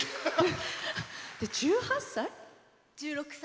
１８歳？